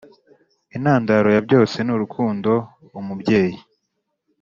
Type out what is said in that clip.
intandaro ya byose nurukundo umubyeyi